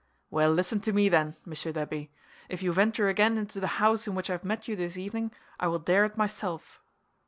'Well, listen to me, then, Monsieur the Abbé! If you venture again into the house in which I have met you this evening, I will dare it myself.